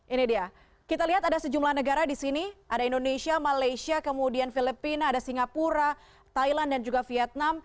ini dia kita lihat ada sejumlah negara di sini ada indonesia malaysia kemudian filipina ada singapura thailand dan juga vietnam